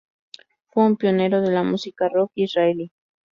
Fue un pionero de la música rock israelí.